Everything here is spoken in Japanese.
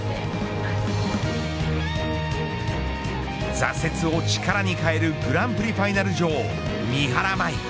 挫折を力に変えるグランプリファイナル女王三原舞依。